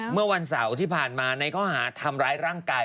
เมื่อวันเสาร์ที่ผ่านมาในข้อหาทำร้ายร่างกาย